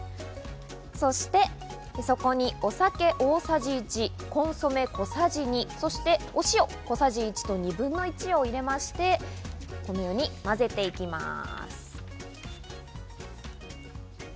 そして、そこにお酒大さじ１、コンソメ小さじ２、そして、お塩小さじ１と２分の１を入れまして混ぜていきます。